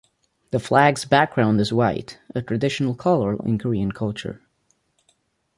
The flag's background is white, a traditional color in Korean culture.